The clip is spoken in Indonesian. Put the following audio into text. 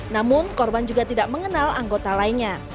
namun korban juga tidak mengenal anggota lainnya